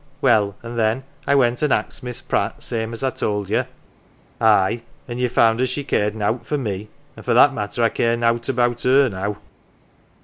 Well, an' then I went an' axed Miss Pratt same as I told ye "" Aye, an' ye found as she cared nowt for me, an' for that matter I care nowt about her, now."